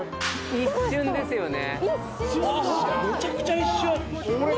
一瞬ですよね。